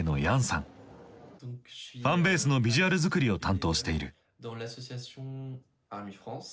ファンベースのビジュアル作りを担当している。